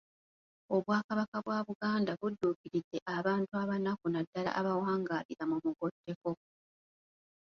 Obwakabaka bwa Buganda budduukiridde abantu abanaku naddala abawangaalira mu mugotteko .